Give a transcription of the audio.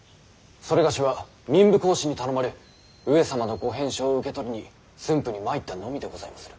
某は民部公子に頼まれ上様のご返書を受け取りに駿府に参ったのみでございまする。